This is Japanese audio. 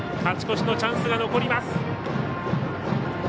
勝ち越しのチャンスが残ります。